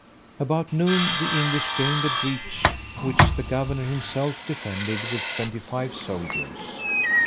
About noon the English gained a breach, which the governor himself defended with twenty five soldiers.